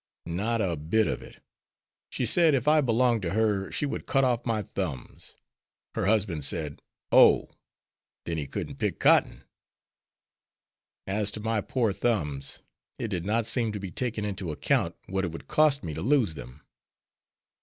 '" "Not a bit of it. She said, if I belonged to her, she would cut off my thumbs; her husband said, 'Oh, then he couldn't pick cotton.' As to my poor thumbs, it did not seem to be taken into account what it would cost me to lose them.